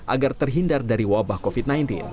agar terhindar dari wabah covid sembilan belas